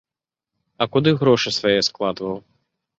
А куды грошы свае складваў?